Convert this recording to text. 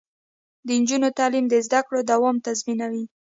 د نجونو تعلیم د زدکړو دوام تضمینوي.